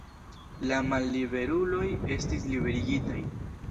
La malliberuloj estis liberigitaj.